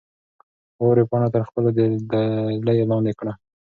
واورې پاڼه تر خپلو دلیو لاندې کړه.